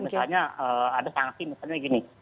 misalnya ada sanksi misalnya gini